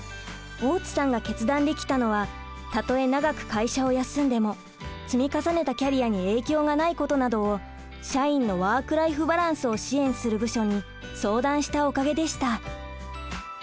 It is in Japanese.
大津さんが決断できたのはたとえ長く会社を休んでも積み重ねたキャリアに影響がないことなどを社員のワーク・ライフ・バランスを支援する部署に相談したおかげでした。